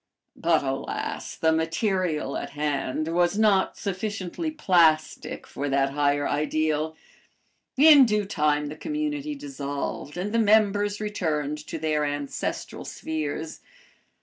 But alas! the material at hand was not sufficiently plastic for that higher ideal. In due time the community dissolved and the members returned to their ancestral spheres.